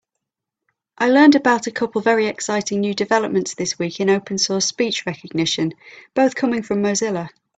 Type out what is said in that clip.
I learned about a couple very exciting new developments this week in open source speech recognition, both coming from Mozilla.